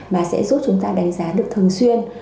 mà sẽ giúp chúng ta đánh giá được thường xuyên